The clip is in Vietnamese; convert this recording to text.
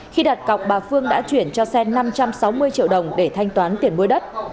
khi đặt cọc bà phương đã chuyển cho sen năm trăm sáu mươi triệu đồng để thanh toán tiền mua đất